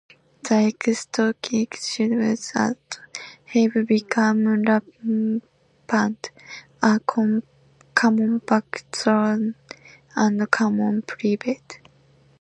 The exotic shrubs that have become rampant are common buckthorn and common privet.